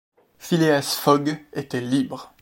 Phileas Fogg était libre!